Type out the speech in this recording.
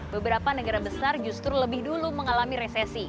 beberapa negara besar justru lebih dulu mengalami resesi